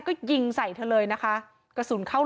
กังฟูเปล่าใหญ่มา